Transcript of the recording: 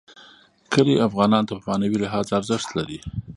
کلي افغانانو ته په معنوي لحاظ ارزښت لري.